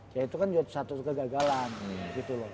ya itu kan satu kegagalan gitu loh